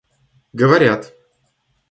говорят